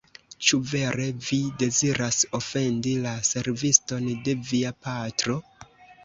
Ĉu vere vi deziras ofendi la serviston de via patro?